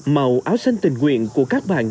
màu áo xanh tình nguyện của các bạn